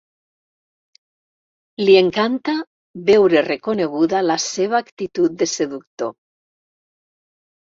Li encanta veure reconeguda la seva actitud de seductor.